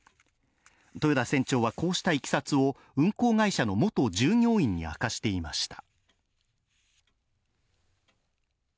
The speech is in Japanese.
豊田船長は、こうしたいきさつを運航会社の元従業員に明かしていました。